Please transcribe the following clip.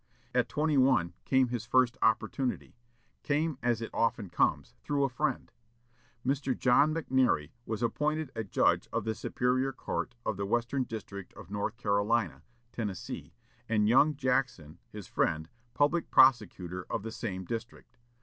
At twenty one came his first opportunity; came, as it often comes, through a friend. Mr. John McNairy was appointed a judge of the Superior Court of the Western District of North Carolina (Tennessee), and young Jackson, his friend, public prosecutor of the same district.